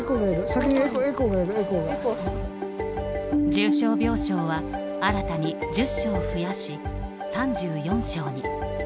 重症病床は新たに１０床増やし３４床に。